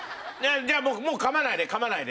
じゃあもう噛まないで噛まないで。